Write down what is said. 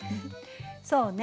そうね